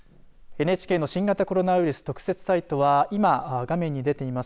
ＮＨＫの新型コロナウイルス特設サイトは今、画面に出ています